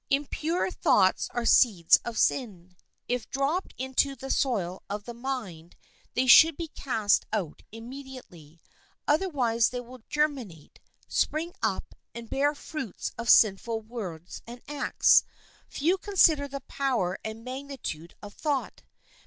Impure thoughts are seeds of sin. If dropped into the soil of the mind, they should be cast out immediately; otherwise they will germinate, spring up, and bear fruits of sinful words and acts. Few consider the power and magnitude of thought.